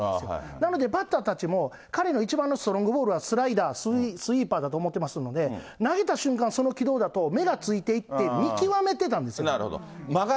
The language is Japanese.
なので、バッターたちも、彼の一番のストロングボールは、スライダー、スイーパーだと思ってますんで、投げた瞬間、その軌道だと、目がついていって、見極めてたんです。